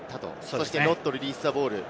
そして、ノットリリースザボール。